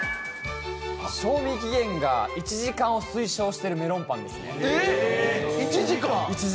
賞味期限が１時間を推奨しているメロンパンですね。